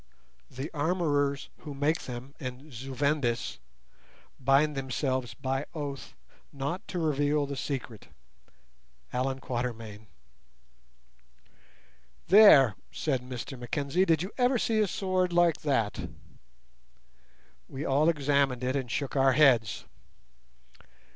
The armourers who make them in Zu vendis bind themselves by oath not to reveal the secret.—A. Q. "There," said Mr Mackenzie, "did you ever see a sword like that?" We all examined it and shook our heads.